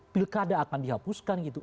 pilkada akan dihapuskan gitu